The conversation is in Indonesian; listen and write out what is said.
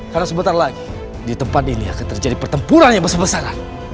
karena sebentar lagi di tempat ini akan terjadi pertempuran yang besar besaran